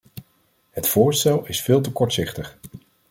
Het voorstel is veel te kortzichtig.